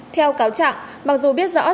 theo cáo chẳng mặc dù biết rõ